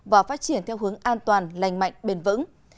và phát triển theo hướng an toàn lành mạnh bền vững